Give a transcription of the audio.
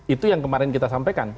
itu yang kemarin kita sampaikan